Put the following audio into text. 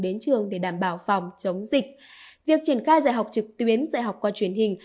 đến trường để đảm bảo phòng chống dịch việc triển khai dạy học trực tuyến dạy học qua truyền hình